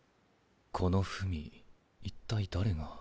この文一体誰が。